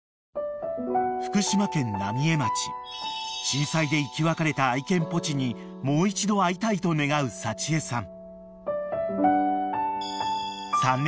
［震災で生き別れた愛犬ポチにもう一度会いたいと願う幸枝さん］